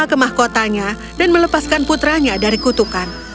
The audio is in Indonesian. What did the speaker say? prisma kemah kotanya dan melepaskan putranya dari kutukan